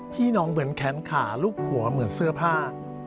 น้องเหมือนแขนขารูปหัวเหมือนเสื้อผ้า